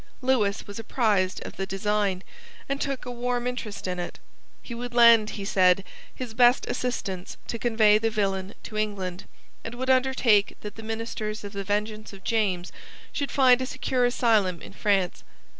Lewis was apprised of the design, and took a warm interest in it. He would lend, he said, his best assistance to convey the villain to England, and would undertake that the ministers of the vengeance of James should find a secure asylum in France.